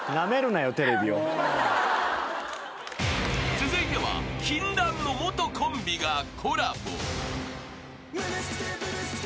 ［続いては禁断の元コンビがコラボ］